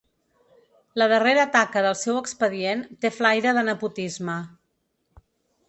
La darrera taca del seu expedient té flaire de nepotisme.